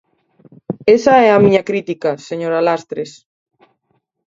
Esa é a miña crítica, señora Lastres.